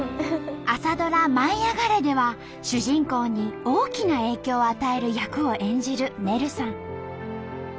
朝ドラ「舞いあがれ！」では主人公に大きな影響を与える役を演じるねるさん。